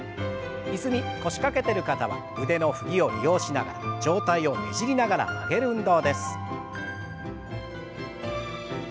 椅子に腰掛けてる方は腕の振りを利用しながら上体をねじりながら曲げる運動です。